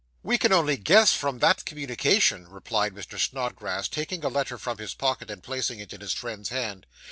'We can only guess, from that communication,' replied Mr. Snodgrass, taking a letter from his pocket, and placing it in his friend's hand.